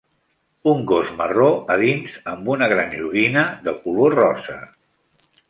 Un gos marró a dins amb una gran joguina de color rosa